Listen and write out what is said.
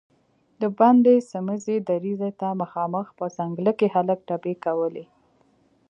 د بندې سمڅې دريڅې ته مخامخ په ځنګله کې هلک ټپې کولې.